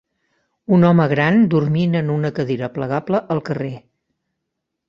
Un home gran dormint en una cadira plegable al carrer.